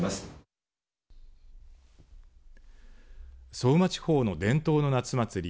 相馬地方の伝統の夏祭り